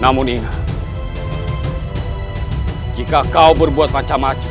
namun ingat jika kau berbuat macam macam